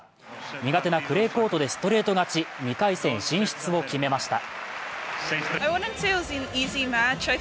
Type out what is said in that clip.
苦手なクレーコートでストレート勝ち、２回戦進出を決めました。